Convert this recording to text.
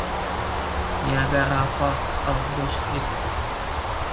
“Niagara Falls, or Does It?”